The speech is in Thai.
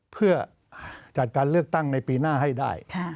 เพื่อจัดการเลือกตั้งในปีหน้าให้ได้